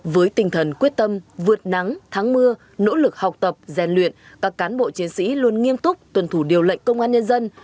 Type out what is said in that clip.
với tinh thần quyết tâm vượt nắng thắng mưa nỗ lực học tập gian luyện các cán bộ chiến sĩ luôn nghiêm túc tuân thủ điều lệnh công an nhân dân